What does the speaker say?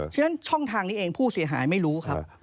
ฉะนั้นช่องทางนี้เองผู้เสียหายไม่รู้ครับ